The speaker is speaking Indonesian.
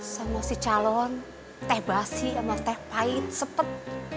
sama si calon teh basi sama teh pahit sepet